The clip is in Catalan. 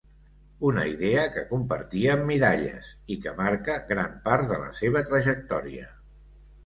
Una idea que compartia amb Miralles i que marca gran part de la seva trajectòria.